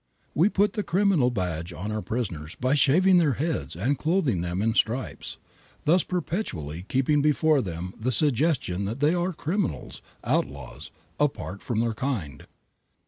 We put the criminal badge on our prisoners by shaving their heads and clothing them in stripes, thus perpetually keeping before them the suggestion that they are criminals, outlaws, apart from their kind.